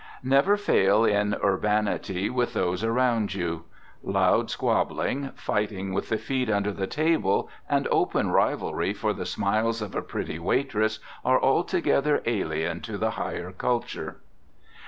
Never fail in urbanity with those around you. Loud squabbling, fighting with the feet under the table, and open rivalry for the smiles of a pretty waitress are altogether alien to the higher culture.